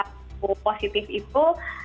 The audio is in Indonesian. aku positif itu